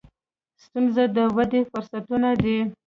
• ستونزې د ودې فرصتونه دي.